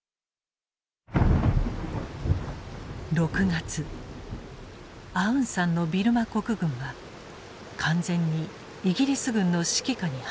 ６月アウンサンのビルマ国軍は完全にイギリス軍の指揮下に入った。